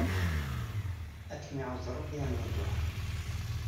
Ad kem-iɛuzz Rebbi a Nna Ǧuhra.